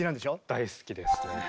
大好きですね。